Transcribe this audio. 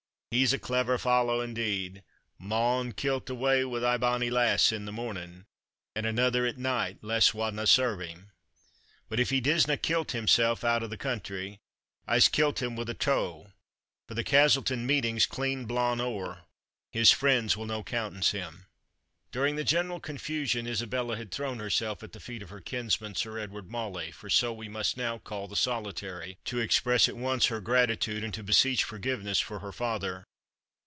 He's a clever fallow, indeed! maun kilt awa wi' ae bonny lass in the morning, and another at night, less wadna serve him! but if he disna kilt himsell out o' the country, I'se kilt him wi' a tow, for the Castleton meeting's clean blawn ower; his friends will no countenance him." During the general confusion, Isabella had thrown herself at the feet of her kinsman, Sir Edward Mauley, for so we must now call the Solitary, to express at once her gratitude, and to beseech forgiveness for her father.